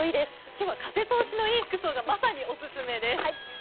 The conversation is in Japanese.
今日は風通しのいい服装がまさにオススメです。